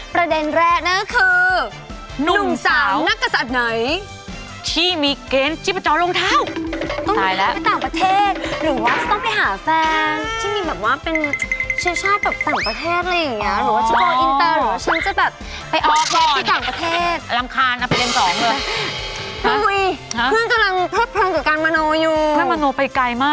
ประเด็นแรกนะคะคือหนุ่มสางนักศัพท์ไหนหนุ่มสาว